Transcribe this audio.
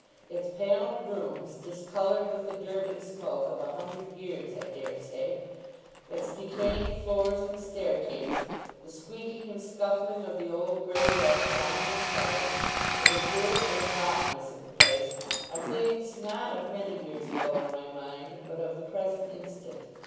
Its panelled rooms, discoloured with the dirt and smoke of a hundred years, I dare say; its decaying floors and staircase; the squeaking and scuffling of the old grey rats down in the cellars; and the dirt and rottenness of the place; are things, not of many years ago, in my mind, but of the present instant.